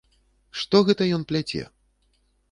Што гэта ён пляце?